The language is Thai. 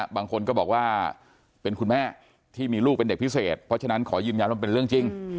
บางคนก็บอกว่าเป็นคุณแม่ที่มีลูกเป็นเด็กพิเศษเพราะฉะนั้นขอยืนยันว่าเป็นเรื่องจริง